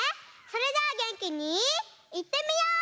それじゃあげんきにいってみよう！